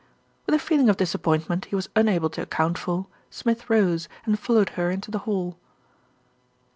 With a feeling of disappointment he was unable to account for, Smith rose and followed her into the hall.